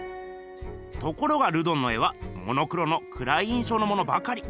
ところがルドンの絵はモノクロのくらい印象のものばかり。